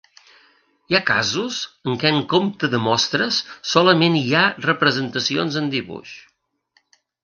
Hi ha casos en què en compte de mostres solament hi ha representacions en dibuix.